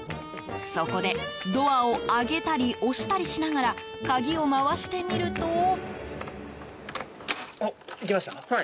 そこで、ドアを上げたり押したりしながら鍵を回してみると。